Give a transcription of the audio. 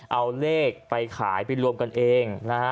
เอาเลขไปขายไปรวมกันเองนะฮะ